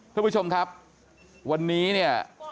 ทุกผู้ชมครับวันนี้เนี่ย